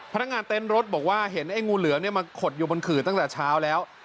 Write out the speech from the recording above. พนักงานเต้นรถบอกว่าเห็นไอ้งูเหลือมมาขดอยู่บนขื่อตั้งแต่เช้าแล้ว